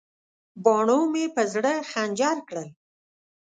باڼو مې په زړه خنجر کړل.